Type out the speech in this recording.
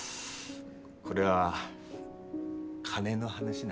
これは金の話な？